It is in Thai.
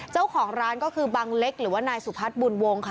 เจ้าของร้านก็คือบังเล็กหรือว่านายสุพัฒน์บุญวงค่ะ